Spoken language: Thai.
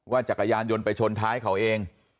จักรยานยนต์ไปชนท้ายเขาเอง